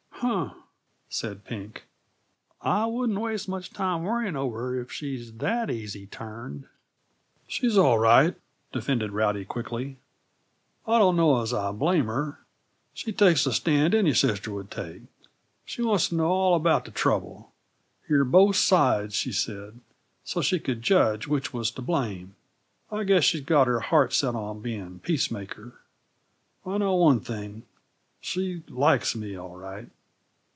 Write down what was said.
"Huh!" said Pink. "I wouldn't waste much time worrying over her, if she's that easy turned." "She's all right," defended Rowdy quickly. "I don't know as I blame her; she takes the stand any sister would take. She wants to know all about the trouble hear both sides, she said, so she could judge which was to blame. I guess she's got her heart set on being peacemaker. I know one thing: she likes me, all right."